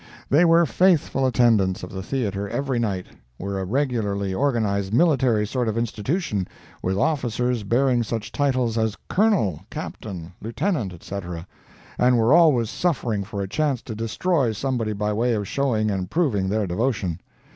They were faithful attendants of the theatre every night, were a regularly organized military sort of institution, with officers bearing such titles as Colonel, Captain, Lieutenant, etc., and were always suffering for a chance to destroy somebody by way of showing and proving their devotion.